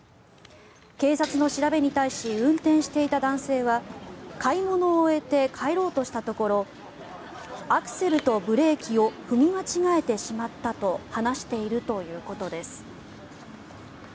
警察の調べに対し運転していた男性は買い物を終えて帰ろうとしたところアクセルとブレーキを踏み間違えてしまったと話しているということです。